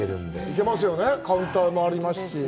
行けますよね、カウンターもありますし。